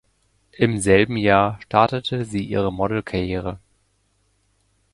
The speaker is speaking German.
Im selben Jahr startete sie ihre Modelkarriere.